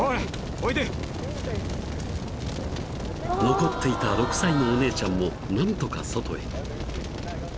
［残っていた６歳のお姉ちゃんも何とか外へ］